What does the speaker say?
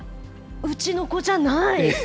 うちの子じゃない。